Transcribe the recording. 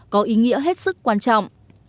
có ý nghĩa hết sức quan trọng